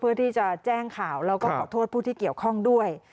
เพื่อที่จะแจ้งข่าวแล้วก็ขอโทษผู้ที่เกี่ยวข้องด้วย